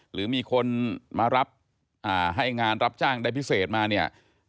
หรือมีคนมารับให้งานรับจ้างได้พิเศษมาเนี่ย